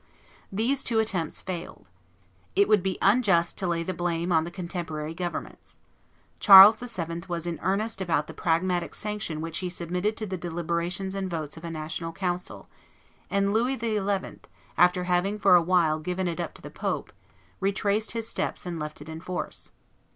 These two attempts failed. It would be unjust to lay the blame on the contemporary governments. Charles VII. was in earnest about the Pragmatic Sanction which he submitted to the deliberations and votes of a national council; and Louis XI., after having for a while given it up to the pope, retraced his steps and left it in force.